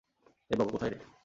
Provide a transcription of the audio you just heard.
এই বাবু, কোথায় রে?